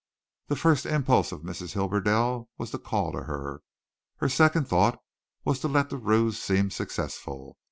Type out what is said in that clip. The first impulse of Mrs. Hibberdell was to call to her. Her second thought was to let the ruse seem successful.